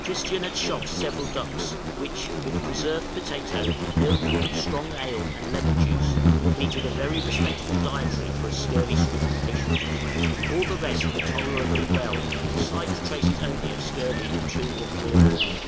Christian had shot several ducks, which, with preserved potato, milk, strong ale, and lemon juice, completed a very respectable dietary for a scurvy stricken patient. All the rest were tolerably well; slight traces only of scurvy in two or three of the men.